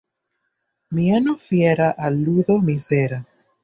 Mieno fiera al ludo mizera.